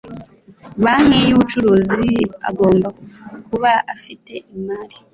banki y ubucuruzi agomba kuba afite imari